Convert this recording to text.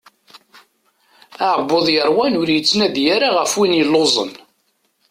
Aɛebbuḍ yeṛwan ur yettnadi ara ɣef win yelluẓen.